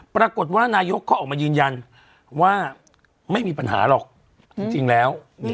ปรากฏว่านายกเขาออกมายืนยันว่าไม่มีปัญหาหรอกจริงแล้ว